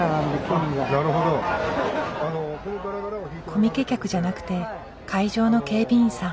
コミケ客じゃなくて会場の警備員さん。